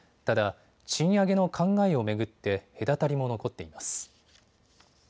ただ、賃上げの考えを巡って隔たりも残っています。